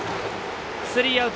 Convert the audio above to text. スリーアウト！